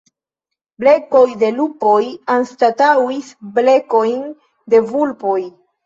Blekoj de lupoj anstataŭis blekojn de vulpoj.